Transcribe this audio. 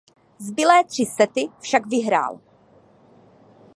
Zbylé tři sety však vyhrál.